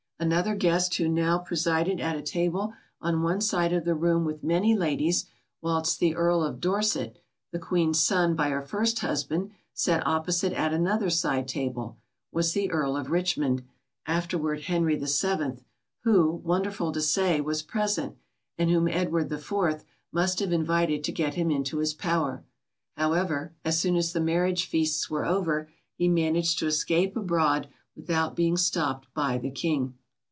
Another guest who now presided at a table on one side of the room with many ladies, whilst the Earl of Dorset, the Queen's son by her first husband, sat opposite at another side table, was the Earl of Richmond, afterward Henry VII., who, wonderful to say, was present, and whom Edward IV. must have invited to get him into his power. However, as soon as the marriage feasts were over, he managed to escape abroad without being stopped by the King.